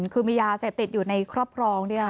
คือมียาเสพติดอยู่ในขอบครองเนี่ย